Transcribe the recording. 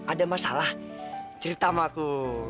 ada masalah cerita sama aku